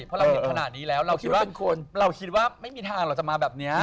เพราะเราเห็นขนาดนี้แล้วเราคิดว่าเราคิดว่าไม่มีทางเราจะมาแบบนี้